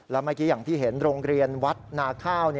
แล้วเมื่อกี้อย่างที่เห็นโรงเรียนวัดนาข้าว